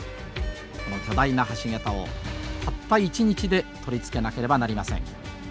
この巨大な橋桁をたった１日で取り付けなければなりません。